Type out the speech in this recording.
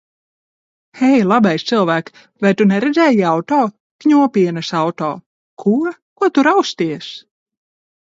Hei, labais cilvēk! Vai tu neredzēji auto? Kņopienes auto. Ko? Ko tu rausties?